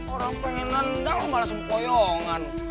orang pengen nendang malah sempoyongan